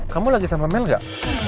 kamu lagi sama men gak